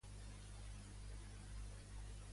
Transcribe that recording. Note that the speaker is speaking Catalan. Això que diu el tuit de l'Argelia és anecdòtic.